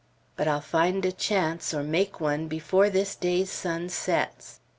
But I'll find a chance, or make one, before this day's sun sets.